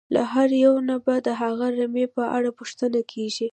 له هر یوه نه به د هغه رمې په اړه پوښتنه کېږي.